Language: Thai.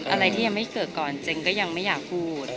อะไรที่ยังไม่เกิดก่อนเจ๋งก็ยังไม่อยากพูด